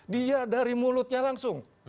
dia dari mulutnya langsung